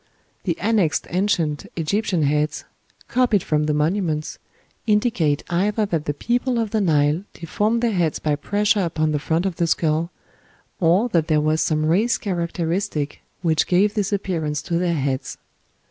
The annexed ancient Egyptian heads, copied from the monuments, indicate either that the people of the Nile deformed their heads by pressure upon the front of the skull, or that EGYPTIAN HEADS. there was some race characteristic which gave this appearance to their heads.